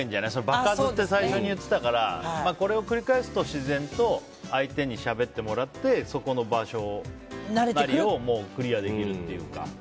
場数って最初に言ってたからこれを繰り返すと自然と相手にしゃべってもらってそこの場所なりをクリアできるっていうか。